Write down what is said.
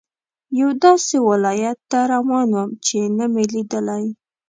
یوه داسې ولایت ته روان وم چې نه مې لیدلی.